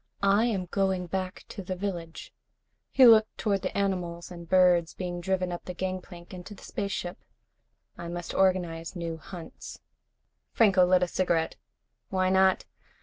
"I am going back to the village." He looked toward the animals and birds being driven up the gangplank into the spaceship. "I must organize new hunts." Franco lit a cigarette. "Why not?